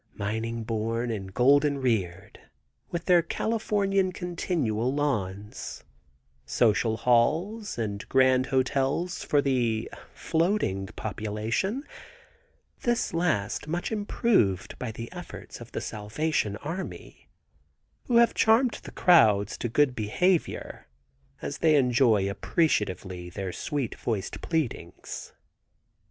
Mining born and golden reared, with their Californian continual lawns, social halls and grand hotels for the floating population, this last much improved by the efforts of the Salvation Army, who have charmed the crowd to good behavior as they enjoy appreciatively their sweet voiced pleadings.